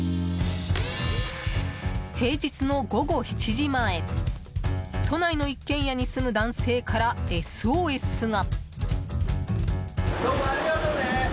平日の午後７時前都内の一軒家に住む男性からＳＯＳが。